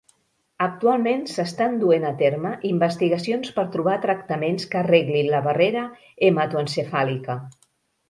Actualment s'estan duent a terme investigacions per trobar tractaments que arreglin la barrera hematoencefàlica.